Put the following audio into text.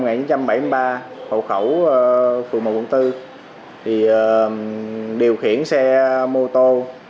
trần ngọc thuận sinh năm một nghìn chín trăm bảy mươi ba hậu khẩu phường một quận bốn điều khiển xe mô tô